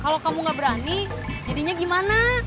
kalau kamu gak berani jadinya gimana